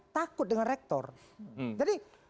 takut dengan rektor jadi